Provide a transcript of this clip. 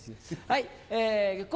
はい。